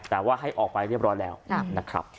แต่ว่าให้ออกไปเรียบร้อยแล้วนะครับ